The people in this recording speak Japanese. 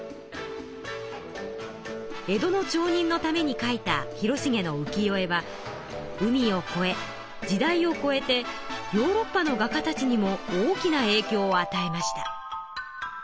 江戸の町人のために描いた広重の浮世絵は海をこえ時代をこえてヨーロッパの画家たちにも大きな影響を与えました。